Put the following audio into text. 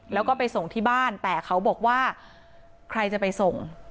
แล้วก็ไปส่งที่บ้านแต่เขาบอกว่าใครจะไปส่ง